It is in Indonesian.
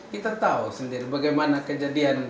kita tahu sendiri bagaimana kejadian